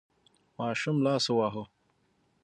ماشوم لاس وواهه.